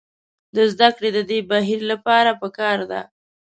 د زدکړې د دې بهیر لپاره پکار ده.